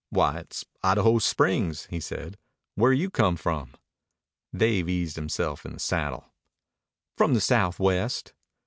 "Why, it's Idaho Springs," he said. "Where you come from?" Dave eased himself in the saddle. "From the Southwest."